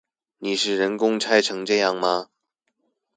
你是人工拆成這樣嗎